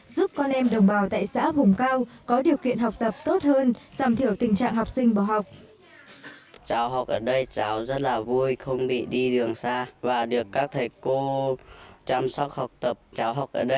giúp con em đồng bào tại xã vùng cao có điều kiện học tập tốt hơn